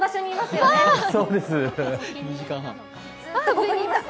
ここに今います。